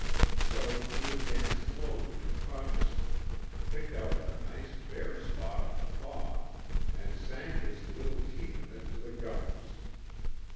So he advanced slowly and cautiously, picked out a nice bare spot on the paw, and sank his little teeth in it to the gums.